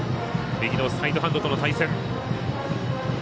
右のサイドハンドとの対戦。